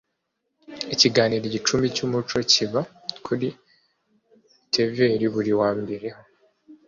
ikiganiro igicumbi cy'umuco kiba kuri tvr buri wa mbere h